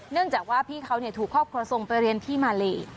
เนื่องจากว่าพี่เขาถูกครอบครัวทรงไปเรียนที่มาเล